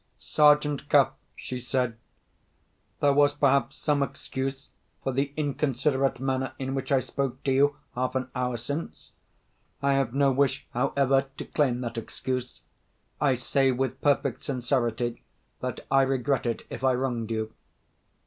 "Sergeant Cuff," she said, "there was perhaps some excuse for the inconsiderate manner in which I spoke to you half an hour since. I have no wish, however, to claim that excuse. I say, with perfect sincerity, that I regret it, if I wronged you."